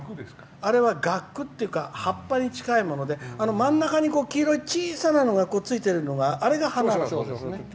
あれはガクっていうか葉っぱに近いもので真ん中に黄色い小さいのがついているのがあれが花。